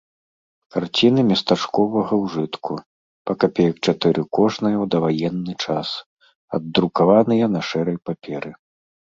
Карціны местачковага ўжытку, па капеек чатыры кожная ў даваенны час, аддрукаваныя на шэрай паперы.